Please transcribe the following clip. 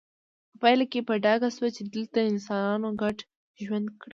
په پایله کې په ډاګه شوه چې دلته انسانانو ګډ ژوند کړی